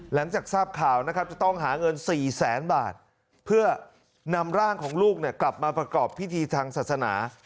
หลังจากทราบข่าวนะครับจะต้องหาเงิน๔แสนบาทเพื่อนำร่างของลูกกลับมาประกอบพิธีทางศาสนา